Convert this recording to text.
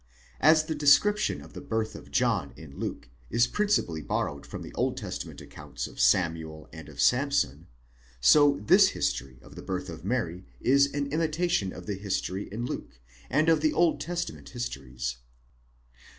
As the description of the birth of John in Luke is principally borrowed from thé Old Testament accounts of Samuel and of Samson, so this history of the birth of Mary is an imitation of the history in Luke, and of the Old Testament histories.